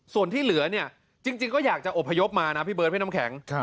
ส่วนที่เหลือเนี่ยจริงก็อยากจะอบพยพมานะพี่เบิร์ดพี่น้ำแข็ง